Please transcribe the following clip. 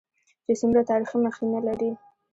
چې څومره تاريخي مخينه لري.